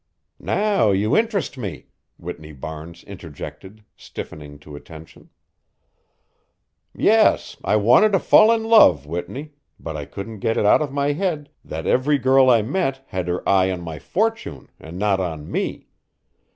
"Now you interest me," Whitney Barnes interjected, stiffening to attention. "Yes, I wanted to fall in love, Whitney, but I couldn't get it out of my head that every girl I met had her eye on my fortune and not on me.